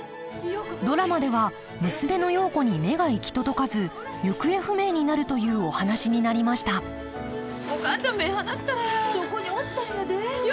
ドラマでは娘の陽子に目が行き届かず行方不明になるというお話になりましたお母ちゃん目ぇ離すからや。